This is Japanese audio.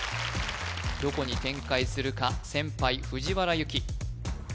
どこに展開するか先輩藤原優希